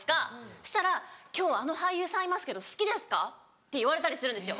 そしたら「今日あの俳優さんいますけど好きですか？」って言われたりするんですよ。